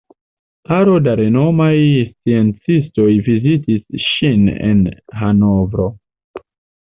Aro da renomaj sciencistoj vizitis ŝin en Hanovro.